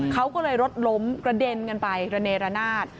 เขาก็เลยรถล้มกระเด็นกันไประเนรนาศ